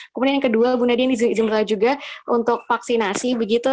kemudian yang kedua bu nadia ini izinkan juga untuk vaksinasi begitu